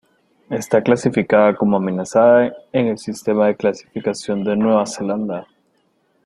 Está clasificada como amenazada en el sistema de Clasificación de Nueva Zelanda.